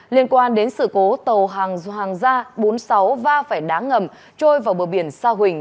liên quan đến sự cố tàu hàng do hàng ra bốn mươi sáu va phải đá ngầm trôi vào bờ biển sa huỳnh